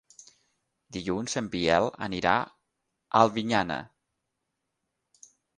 Dilluns en Biel anirà a Albinyana.